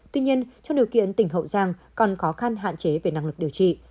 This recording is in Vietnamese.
tuy nhiên trong điều kiện tỉnh hậu giang còn khó khăn hạn chế về năng lực điều trị